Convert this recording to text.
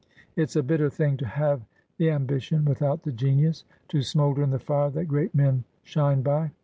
It's a bitter thing to have the ambition without the genius, to smoulder in the fire that great men shine by!